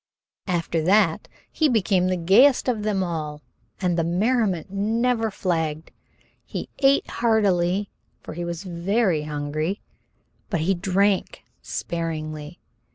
After that he became the gayest of them all, and the merriment never flagged. He ate heartily, for he was very hungry, but he drank sparingly.